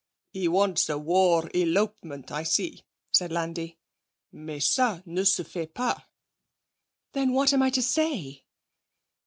'He wants a war elopement, I see,' said Landi. 'Mais ça ne se fait pas!' 'Then what am I to say?'